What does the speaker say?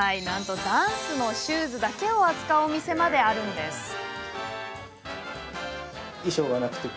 なんとダンスのシューズだけを扱うお店まであるんです。